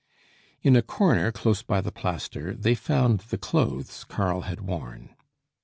In a corner close by the plaster, they found the clothes Karl had worn.